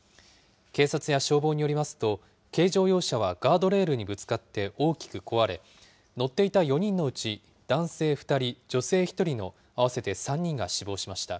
警察や消防によりますと、軽乗用車はガードレールにぶつかって、大きく壊れ、乗っていた４人のうち男性２人、女性１人の合わせて３人が死亡しました。